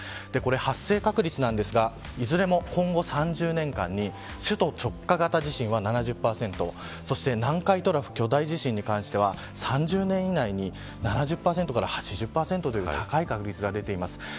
発生確率はいずれも今後３０年間に首都直下型地震は７０％南海トラフ巨大地震に関しては３０年以内に７０％から８０％という高い確率が出ています。